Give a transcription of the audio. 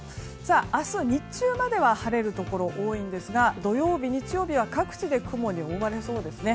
明日の日中までは晴れるところが多いんですが土曜日、日曜日は各地で雲に覆われそうですね。